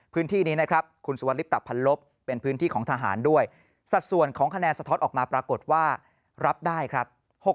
พื้นที่นี้นะครับคุณสุวรรลิปตะพันลบเป็นพื้นที่ของทหารด้วยสัดส่วนของคะแนนสะท้อนออกมาปรากฏว่ารับได้ครับ